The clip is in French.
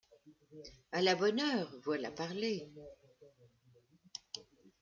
À la bonne heure, voilà parler.